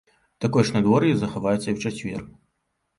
Такое ж надвор'е захаваецца і ў чацвер.